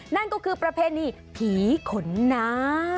นั่นก็คือประเพณีผีขนน้า